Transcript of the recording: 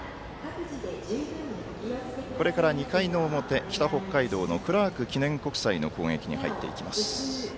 これから２回の表北北海道のクラーク国際の攻撃に入っていきます。